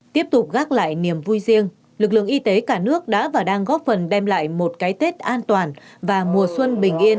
tiếp tục gác lại niềm vui riêng lực lượng y tế cả nước đã và đang góp phần đem lại một cái tết an toàn và mùa xuân bình yên